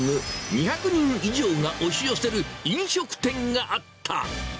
２００人以上が押し寄せる飲食店があった。